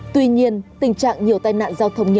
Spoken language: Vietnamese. tuy nhiên tình trạng nhiều tai nạn giao thông